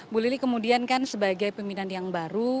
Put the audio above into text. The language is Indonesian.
bu lili kemudian kan sebagai pimpinan yang baru